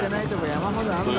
山ほどあるな。